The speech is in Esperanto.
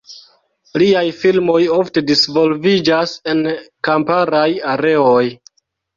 Liaj filmoj ofte disvolviĝas en kamparaj areoj.